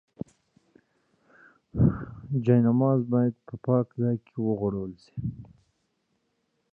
جاینماز باید په پاک ځای کې وغوړول شي.